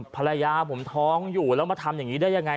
ภรรยาผมท้องอยู่แล้วมาทำอย่างนี้ได้ยังไง